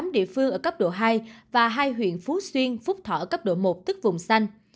một mươi tám địa phương ở cấp độ hai và hai huyện phú xuyên phúc thỏ ở cấp độ một tức vùng xanh